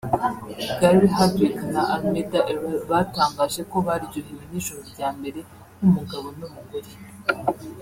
Gary Hardwick na Almeda Errell batangaje ko baryohewe n’ijoro rya mbere nk’umugabo n’umugore